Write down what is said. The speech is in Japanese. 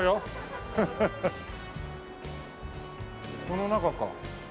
この中か。